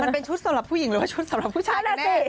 มันเป็นชุดสำหรับผู้หญิงหรือว่าชุดสำหรับผู้ชายกันแน่